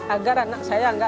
agar anak saya bisa berhasil